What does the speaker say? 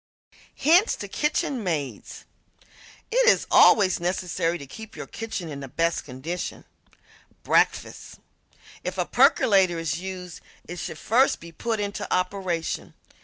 HINTS TO KITCHEN MAIDS It is always necessary to keep your kitchen in the best condition. ~Breakfast~ If a percolator is used it should first be put into operation.